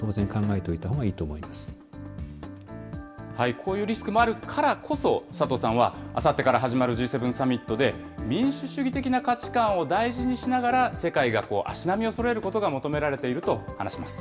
こういうリスクもあるからこそ、佐藤さんはあさってから始まるＧ７サミットで、民主主義的な価値観を大事にしながら、世界が足並みをそろえることが求められていると話します。